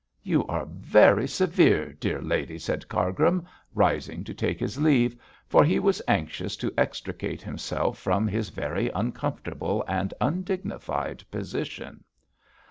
'You are very severe, dear lady!' said Cargrim, rising to take his leave, for he was anxious to extricate himself from his very uncomfortable and undignified position.